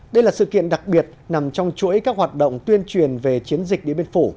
đây là sự kiện đặc biệt nằm trong chuỗi các hoạt động tuyên truyền về chiến dịch điện biên phủ